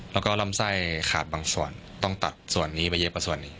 แล้วก็ลั่มไส้ขาซบางส่วนต้องตัดส่วนนี้ไปอย่างนี้